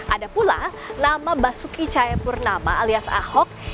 ada pula nama basuki cahayapurnama alias ahok